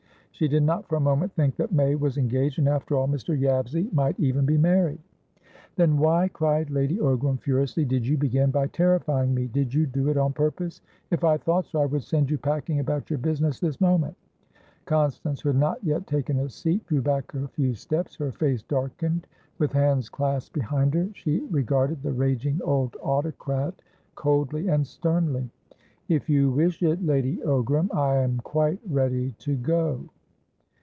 She did not for a moment think that May was engaged, and, after all, Mr. Yabsley might even be married. "Then why," cried Lady Ogram, furiously, "did you begin by terrifying me? Did you do it on purpose? If I thought so, I would send you packing about your business this moment!" Constance, who had not yet taken a seat, drew back a few steps. Her face darkened. With hands clasped behind her, she regarded the raging old autocrat coldly and sternly. "If you wish it, Lady Ogram, I am quite ready to go."